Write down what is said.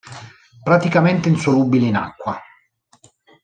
Praticamente insolubile in acqua.